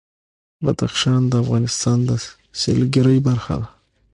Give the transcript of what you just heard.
بدخشان د افغانستان د سیلګرۍ برخه ده.